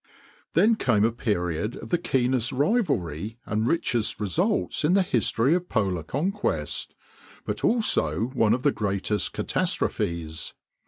Then came a period of the keenest rivalry and richest results in the history of polar conquest, but also one of the greatest catastrophes.